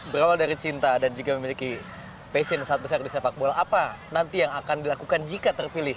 berawal dari cinta dan juga memiliki passion sangat besar di sepak bola apa nanti yang akan dilakukan jika terpilih